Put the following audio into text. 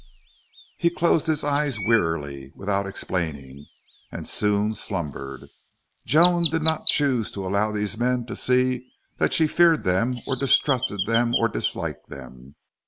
He closed his eyes wearily, without explaining, and soon slumbered. Joan did not choose to allow these men to see that she feared them or distrusted them or disliked them.